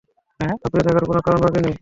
আমার বেঁচে থাকার কোন কারণ বাকী নেই।